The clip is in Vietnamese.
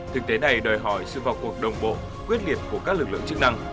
thực tế này đòi hỏi sự vào cuộc đồng bộ quyết liệt của các lực lượng chức năng